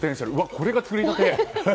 これが作り立て？